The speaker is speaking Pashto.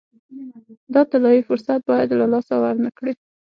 دا طلایي فرصت باید له لاسه ورنه کړي.